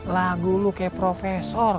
lagu lu kayak profesor